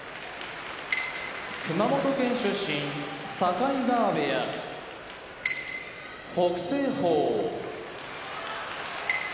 熊本県出身境川部屋北青鵬北海道出身